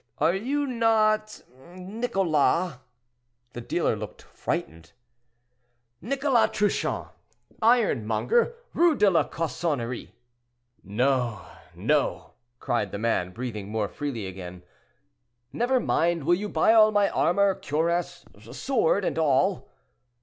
"Are you not Nicholas—" The dealer looked frightened. "Nicholas Trouchon, ironmonger, Rue de la Cossonnerie?" "No, no!" cried the man, breathing more freely again. "Never mind; will you buy all my armor, cuirass, sword, and all?"